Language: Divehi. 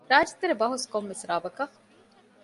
ރާއްޖެތެރެ ބަހުސް ކޮން މިސްރާބަކަށް؟